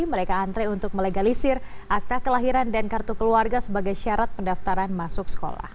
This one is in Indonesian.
mereka antre untuk melegalisir akta kelahiran dan kartu keluarga sebagai syarat pendaftaran masuk sekolah